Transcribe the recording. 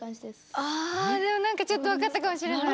ああでも何かちょっと分かったかもしれない。